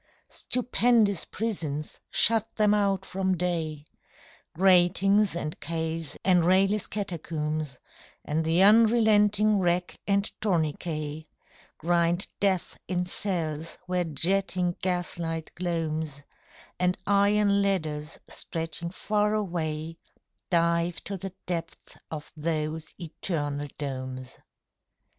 Stupendous prisons shut them out from day, Gratings and caves and rayless catacombs, And the unrelenting rack and tourniquet Grind death in cells where jetting gaslight gloams, And iron ladders stretching far away Dive to the depths of those eternal domes.